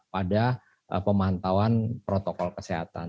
pada pemantauan protokol kesehatan